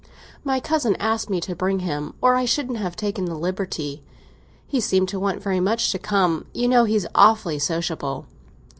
"My cousin asked me to bring him, or I shouldn't have taken the liberty. He seemed to want very much to come; you know he's awfully sociable.